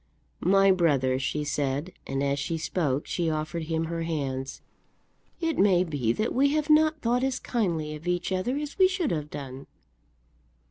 "My brother," she said, and as she spoke she offered him her hands, "it may be that we have not thought as kindly of each other as we should have done."